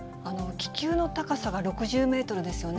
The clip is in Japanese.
気球の高さが６０メートルですよね。